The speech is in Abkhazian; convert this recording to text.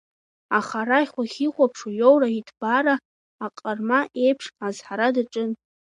Аха арахь уахьихәаԥшуа, иоура-иҭбаара аҟарма еиԥш азҳара даҿын.